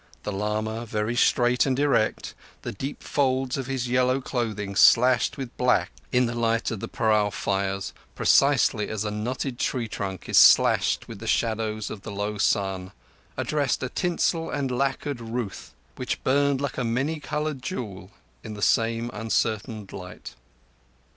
The lama, very straight and erect, the deep folds of his yellow clothing slashed with black in the light of the parao fires precisely as a knotted tree trunk is slashed with the shadows of the low sun, addressed a tinsel and lacquered ruth which burned like a many coloured jewel in the same uncertain light.